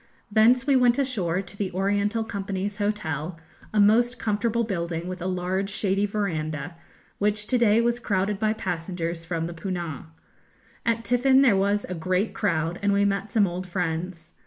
Thence we went ashore to the Oriental Company's Hotel, a most comfortable building, with a large, shady verandah, which to day was crowded by passengers from the 'Poonah.' At tiffin there was a great crowd, and we met some old friends.